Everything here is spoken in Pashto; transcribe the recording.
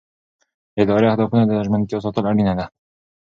د ادارې اهدافو ته ژمنتیا ساتل اړینه ده.